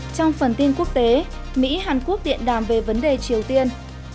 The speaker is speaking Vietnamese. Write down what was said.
trong phần tin quốc tế mỹ hàn quốc điện đàm về vấn đề triều tiên